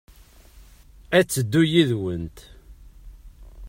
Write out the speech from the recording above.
Ad teddu yid-went.